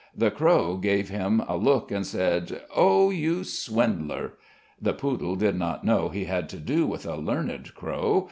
The crow gave him a look and said: "Oh, you swindler!" The poodle did not know he had to do with a learned crow.